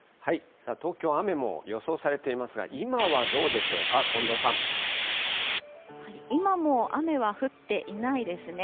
さあ、東京、雨も予想されていますが、今はどうでしょうか、今も雨は降っていないですね。